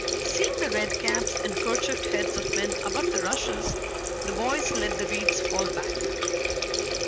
Seeing the red caps and kerchiefed heads of men above the rushes, the boys let the reeds fall back.